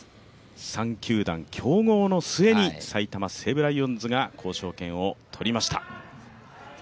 ３球団競合の末に埼玉西武ライオンズが交渉権を取りました。